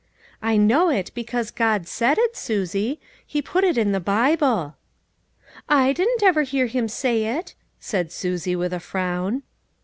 " I know it because God said it, Susie ; he put it in the Bible." "I didn't ever hear him say it," said Susie with a frown.